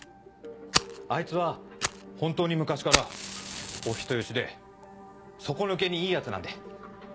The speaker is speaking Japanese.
あいつは本当に昔からお人よしで底抜けにいいヤツなんで。